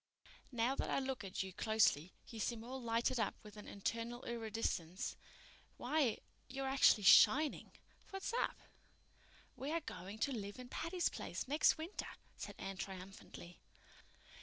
Now that I look at you closely you seem all lighted up with an internal iridescence. Why, you're actually shining! What's up?" "We are going to live in Patty's Place next winter," said Anne triumphantly.